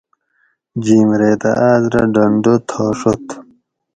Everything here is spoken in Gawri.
جیم ریتہ آس رہ ڈنڈا تھاڛت